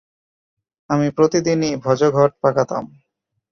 আমি প্রতিদিনই ভজঘট পাকাতাম।